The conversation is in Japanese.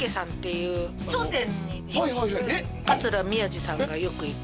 桂宮治さんがよく行く。